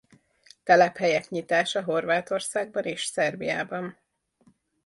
Telephelyek nyitása Horvátországban és Szerbiában.